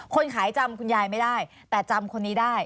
คนขายจำคุณยายไม่ได้แต่จำคนนี้ได้